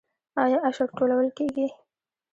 آیا عشر ټولول کیږي؟